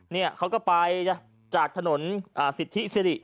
เนี่ยเขาก็ไปจากถนนสิทธิสิริ